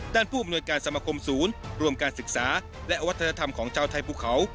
ผู้อำนวยการสมคมศูนย์รวมการศึกษาและวัฒนธรรมของชาวไทยภูเขา